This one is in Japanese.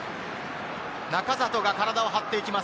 仲里が体を張っていきます。